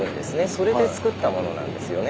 それでつくったものなんですよね。